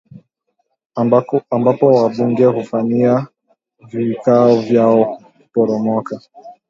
ambako wabunge hufanyia vikao vyao kuporomoka